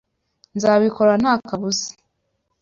Nzabikora nta kabuza